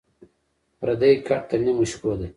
پردى کټ تر نيمو شپو دى.